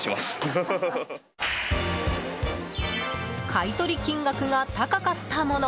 買い取り金額が高かったもの